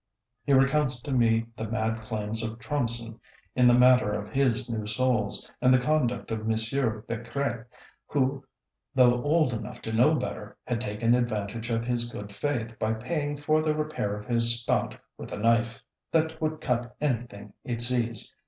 He recounts to me the mad claims of Trompson in the matter of his new soles, and the conduct of Monsieur Becret, who, though old enough to know better, had taken advantage of his good faith by paying for the repair of his spout with a knife "that would cut anything it sees."